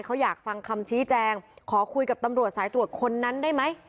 เขาอยากฟังคำชี้แจงขอคุยกับตำรวจสายตรวจคนนั้นได้ไหม